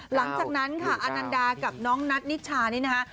หลังจากนั้นค่ะอนันดากับน้องนัทนิชานี่นะคะ